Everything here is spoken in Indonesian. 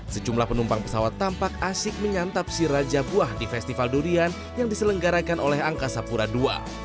sejumlah penumpang pesawat tampak asik menyantap si raja buah di festival durian yang diselenggarakan oleh angkasa pura ii